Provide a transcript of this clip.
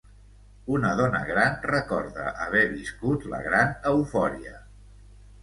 Una dona gran recorda haver viscut la gran eufòria.